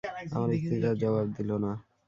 আমার স্ত্রী তার জবাব দিল না।